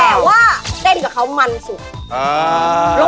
แต่ว่าเส้นกับเขามันสุด